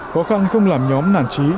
khó khăn không làm nhóm nản trí